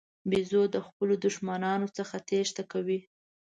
بیزو د خپلو دښمنانو څخه تېښته کوي.